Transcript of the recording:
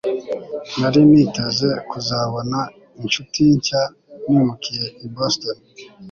Nari niteze kuzabona inshuti nshya nimukiye i Boston